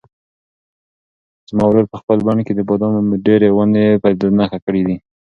زما ورور په خپل بڼ کې د بادامو ډېرې ونې په نښه کړې دي.